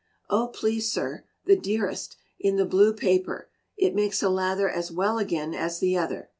"Oh, please sir, the dearest, in the blue paper; it makes a lather as well again as the other."